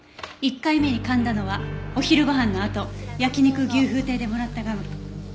１回目に噛んだのはお昼ご飯のあと焼肉牛風亭でもらったガム。